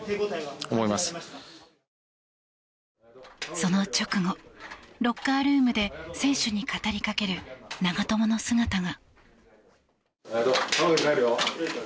その直後、ロッカールームで選手に語りかける長友の姿が。